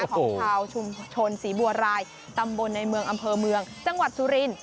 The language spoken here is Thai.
ของชาวชุมชนศรีบัวรายตำบลในเมืองอำเภอเมืองจังหวัดสุริน